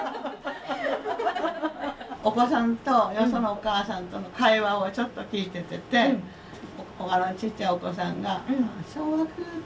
お子さんとよそのお母さんとの会話をちょっと聞いててちっちゃいお子さんが小学低学年ぐらいでしょうか